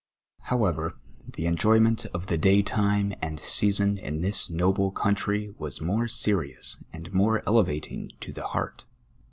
However, the cnjo^ ment of the day time and season in this noble country was more serious and more elevating to the heart.